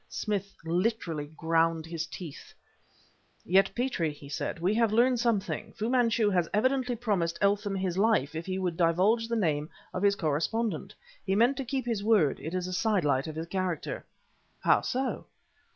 Smith literally ground his teeth. "Yet, Petrie," he said, "we have learnt something. Fu Manchu had evidently promised Eltham his life if he would divulge the name of his correspondent. He meant to keep his word; it is a sidelight on his character." "How so?"